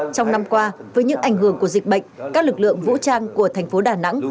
trong năm qua với những ảnh hưởng của dịch bệnh các lực lượng vũ trang của thành phố đà nẵng